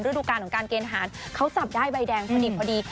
ดูการของการเกณฑ์ทหารเขาจับได้ใบแดงพอดี